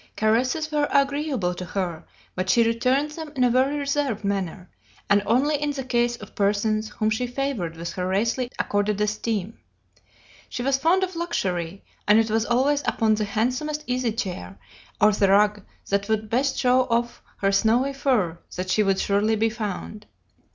Caresses were agreeable to her, but she returned them in a very reserved manner, and only in the case of persons whom she favored with her rarely accorded esteem. She was fond of luxury, and it was always upon the handsomest easy chair, or the rug that would best show off her snowy fur, that she would surely be found.